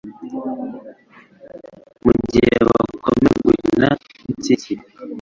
Mugihe bakomeza gukina nibitsinsino